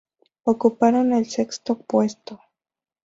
Ocuparon el sexto puesto.